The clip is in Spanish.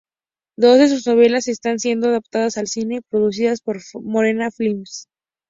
Dos de sus novelas están siendo adaptadas al cine, producidas por Morena Films.